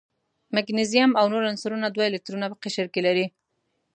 مګنیزیم او نور عنصرونه دوه الکترونه په قشر کې لري.